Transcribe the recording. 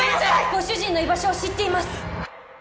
ご主人の居場所を知っています！